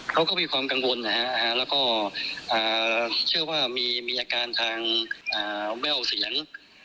เขาก็มีความกังวลนะฮะแล้วก็เชื่อว่ามีอาการทางแว่วเสียง